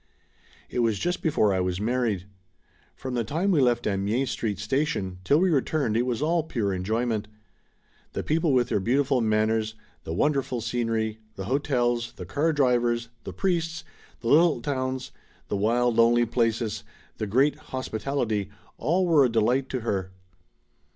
It was just before I was married. From the time we left Amiens Street Station till we returned it was all pure enjoyment. The people with their beautiful manners, the wonderful scenery, the hotels, the car drivers, the priests, the little towns, the wild, lonely places, the great hospital ity — ^all were a delight to her.